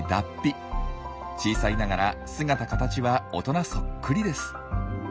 小さいながら姿かたちは大人そっくりです。